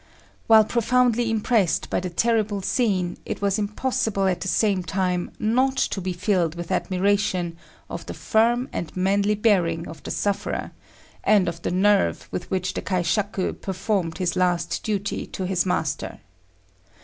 While profoundly impressed by the terrible scene it was impossible at the same time not to be filled with admiration of the firm and manly bearing of the sufferer, and of the nerve with which the kaishaku performed his last duty to his master.